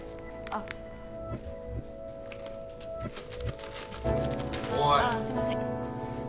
ああすいません。